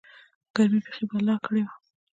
گرمۍ بيخي بلا کړې وه.